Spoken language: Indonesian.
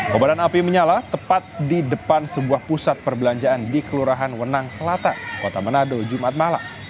kobaran api menyala tepat di depan sebuah pusat perbelanjaan di kelurahan wenang selatan kota manado jumat malam